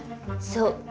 そう。